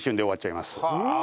うわ！